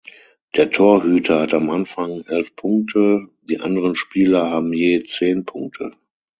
Der Torhüter hat am Anfang elf Punkte, die anderen Spieler haben je zehn Punkte.